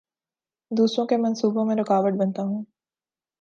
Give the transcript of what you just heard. دوسروں کے منصوبوں میں رکاوٹ بنتا ہوں